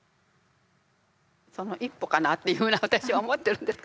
その一歩かなっていうふうに私は思ってるんです。